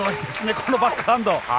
このバックハンド。